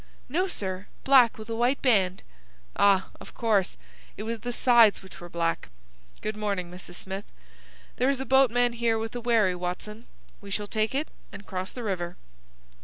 "No, sir. Black with a white band." "Ah, of course. It was the sides which were black. Good morning, Mrs. Smith.—There is a boatman here with a wherry, Watson. We shall take it and cross the river.